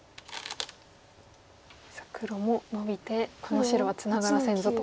黒もノビてこの白はツナがらせんぞと。